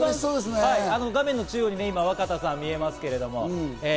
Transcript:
画面の中央に若田さんが見えますけど。